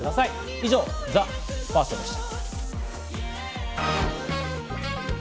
以上、ＴＨＥＦＩＲＳＴでした。